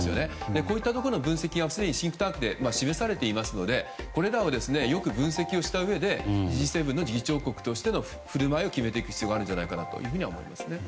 こういったところの分析はすでにシンクタンクで示されていますのでこれらをよく分析してＧ７の議長国としての振る舞いを決めていく必要があるのではと思います。